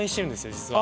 実は。